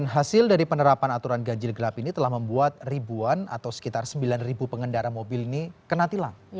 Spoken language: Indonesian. hasil dari penerapan aturan ganjil genap ini telah membuat ribuan atau sekitar sembilan ribu pengendara mobil ini kena tilang